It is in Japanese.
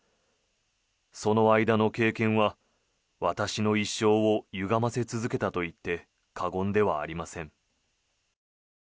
その間の経験は私の一生をゆがませ続けたと言って過言ではありません。